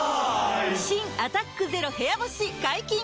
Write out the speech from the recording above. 新「アタックＺＥＲＯ部屋干し」解禁‼